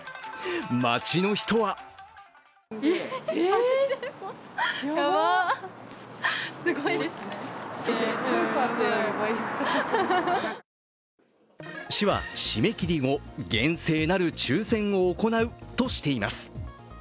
街の人は市は締め切り後、厳正なる抽選を行うとしています。